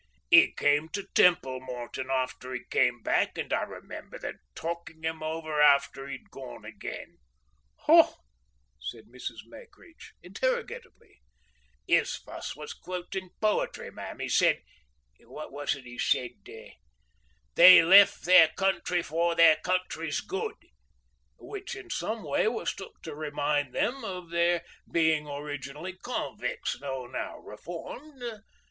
"'E came to Templemorton after 'e came back, and I remember them talking 'im over after 'e'd gone again." "Haw?" said Mrs. Mackridge, interrogatively. "'Is fuss was quotin' poetry, ma'am. 'E said—what was it 'e said—'They lef' their country for their country's good,'—which in some way was took to remind them of their being originally convic's, though now reformed.